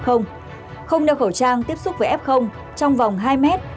không đeo khẩu trang tiếp xúc với f trong vòng hai mét